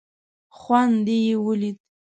خوند دې یې ولید.